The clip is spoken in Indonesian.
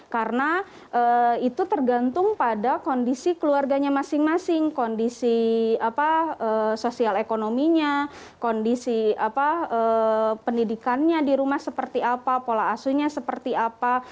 karena itu tergantung pada kondisi keluarganya masing masing kondisi sosial ekonominya kondisi pendidikannya di rumah seperti apa pola asuhnya seperti apa